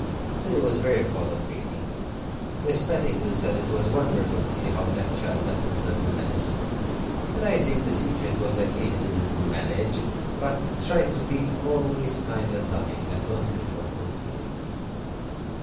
Philly was very fond of Katy. Miss Petingill said it was wonderful to see how that child let himself be managed. But I think the secret was that Katy didn't "manage," but tried to be always kind and loving, and considerate of Phil's feelings.